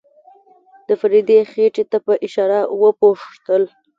د فريدې خېټې ته په اشاره وپوښتل.